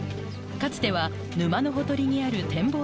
かつては沼のほとりにある展望